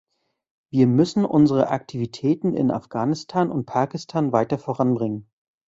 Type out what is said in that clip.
Wir müssen unsere Aktivitäten in Afghanistan und Pakistan weiter voranbringen.